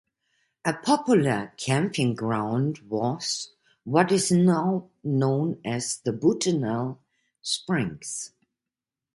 A popular camping ground was what is now known as "The Bootenal Springs".